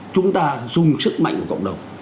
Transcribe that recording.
chúng ta dùng sức mạnh của cộng đồng